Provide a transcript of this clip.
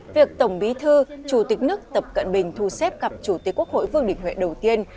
việc tổng bí thư chủ tịch nước tập cận bình thu xếp gặp chủ tịch quốc hội vương đình huệ đầu tiên